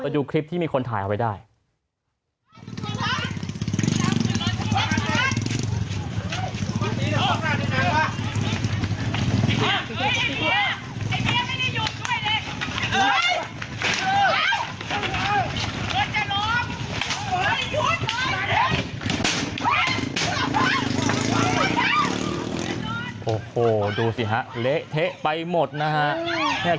อย่ายุดเลยยุ่นเปรียบเลยโอ้โหดูสิครับเหละเทะไปหมดนะครับ